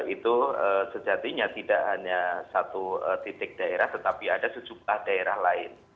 itu sejatinya tidak hanya satu titik daerah tetapi ada sejumlah daerah lain